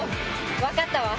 分かったわ。